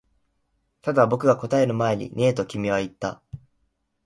ただ、僕が答える前にねえと君は言った